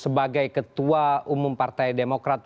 sebagai ketua umum partai demokrat